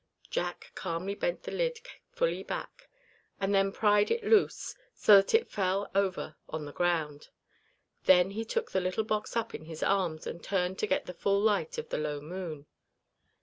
Jack calmly bent the lid fully back, and then pried it loose, so that it fell over on the ground. Then he took the little box up in his arms and turned to get the full light of the low moon.